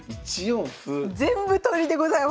全部取りでございます。